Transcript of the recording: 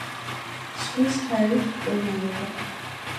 ზღვის ჰაერით მკურნალობა.